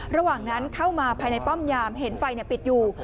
ระหว่างนั้นเข้ามาภายในป้อมยามเห็นไฟปิดอยู่